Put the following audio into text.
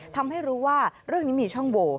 ทำให้รู้ว่าเรื่องนี้มีช่องโว